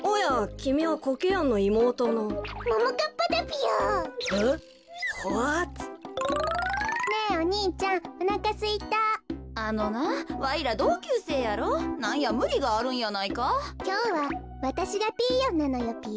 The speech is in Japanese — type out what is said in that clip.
きょうはわたしがピーヨンなのよぴよ。